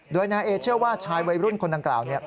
โดยนายเอเชื่อว่าชายวัยรุ่นคนดังกล่าว